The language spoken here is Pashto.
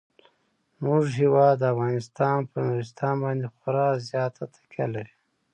زموږ هیواد افغانستان په نورستان باندې خورا زیاته تکیه لري.